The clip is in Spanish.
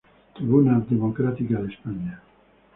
Tribuna democrática de España".